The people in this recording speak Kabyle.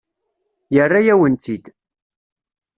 Yerra-yawen-tt-id.